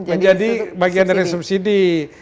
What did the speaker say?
menjadi bagian dari subsidi